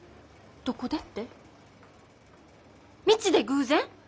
どこでって道で偶然！